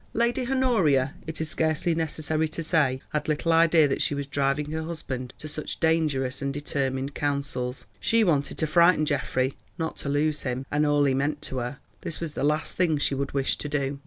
Lady Honoria, it is scarcely necessary to say, had little idea that she was driving her husband to such dangerous and determined councils. She wanted to frighten Geoffrey, not to lose him and all he meant to her; this was the last thing that she would wish to do.